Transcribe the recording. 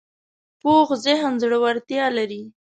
پوخ ذهن زړورتیا لري